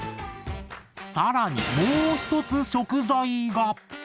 更にもう一つ食材が！